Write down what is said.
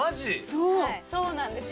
そうなんです。